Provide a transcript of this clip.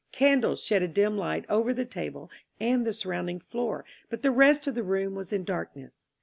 Candles shed a dim light over the table and the surrounding floor, but the rest of the room was in darkness.